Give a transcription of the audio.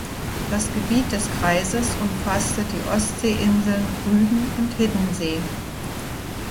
Das Gebiet des Kreises umfasste die Ostseeinseln Rügen und Hiddensee.